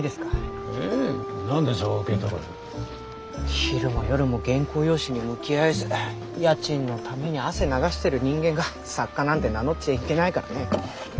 昼も夜も原稿用紙に向き合えず家賃のために汗流してる人間が作家なんて名乗っちゃいけないからね。